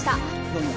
どうも。